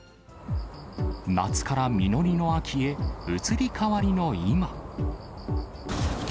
夏から実りの秋へ、移り変わりの今。